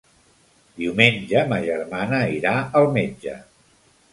Diumenge ma germana irà al metge.